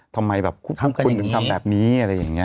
ทำไมแบบคุณถึงทำแบบนี้อะไรอย่างนี้